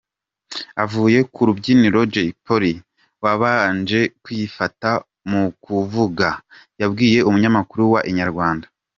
Avuye ku rubyiniro Jay Polly wabanje kwifata mu kuvuga, yabwiye Umunyamakuru wa Inyarwanda.